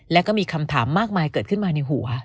และก็มีคำถามมากมายเกิดขึ้นมาในหัว